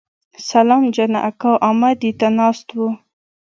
سلام جان اکا امدې ته ناست و.